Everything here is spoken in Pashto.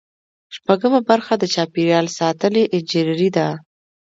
شپږمه برخه د چاپیریال ساتنې انجنیری ده.